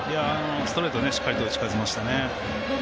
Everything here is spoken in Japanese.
ストレート、しっかりと打ち返せましたね。